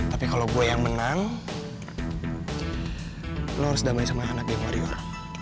tapi kalau gue yang menang lo harus damai sama anak yang warrior